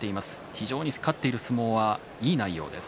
非常に勝っている相撲はいい相撲です。